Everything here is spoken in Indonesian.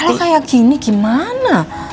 kalau kayak gini gimana